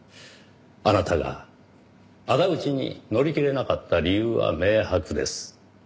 あなたが仇討ちに乗り気でなかった理由は明白です。